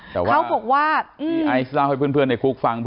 แต่ว่าที่ไอศ์เล่าให้เพื่อนในคุกฟัง